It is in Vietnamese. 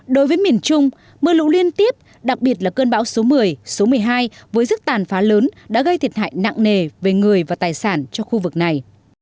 đối với miền trung mưa lũ liên tiếp đặc biệt là cơn bão số một mươi số một mươi hai với sức tàn phá lớn đã gây thiệt hại nặng nề về người và tài sản cho khu vực này